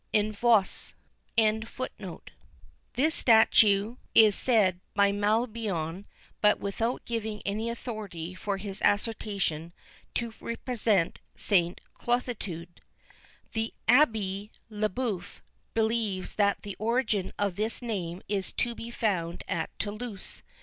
This statue is said by Mabillon, but without giving any authority for his assertion, to represent St. Clotilde. The Abbé Lebœuf believes that the origin of this name is to be found at Toulouse.